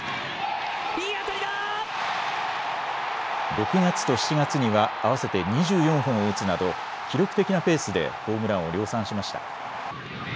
６月と７月には合わせて２４本を打つなど記録的なペースでホームランを量産しました。